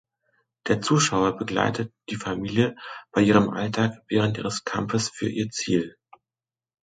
Der Zuschauer begleitet die Familie bei ihrem Alltag während ihres Kampfes für ihr Ziel.